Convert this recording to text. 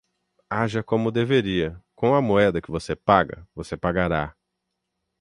Aja como deveria, com a moeda que você paga, você pagará.